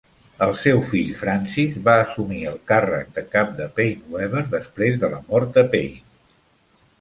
El seu fill, Francis va assumir el càrrec de cap de Paine Webber després de la mort de Paine.